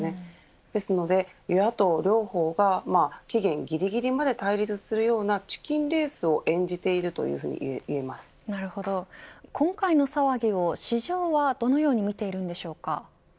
ですので与野党両方が期限ぎりぎりまで対立するようなチキンレースを演じているなるほど、今回の騒ぎを市場はどのように見てるんでしょうか。